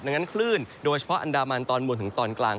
ดังนั้นคลื่นโดยเฉพาะอันดามันตอนบนถึงตอนกลาง